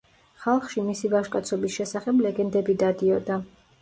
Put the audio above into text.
ხალხში მისი ვაჟკაცობის შესახებ ლეგენდები დადიოდა.